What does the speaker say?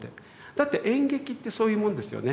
だって演劇ってそういうもんですよね。